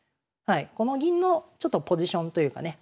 この銀のちょっとポジションというかね